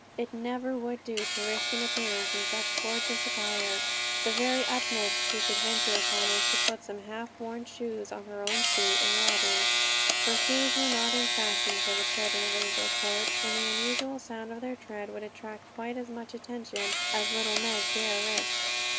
It never would do to risk an appearance in such gorgeous attire. The very utmost she could venture upon was to put some half worn shoes on her own feet and Robin's; for shoes were not in fashion for the children of Angel Court, and the unusual sound of their tread would attract quite as much attention as little Meg dare risk.